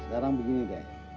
sekarang begini guys